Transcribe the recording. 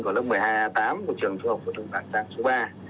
của lớp một mươi hai a tám của trường trung học phổ thông lạng giang số ba